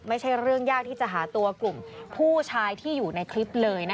ไม่ใช่เรื่องยากที่จะหาตัวกลุ่มผู้ชายที่อยู่ในคลิปเลย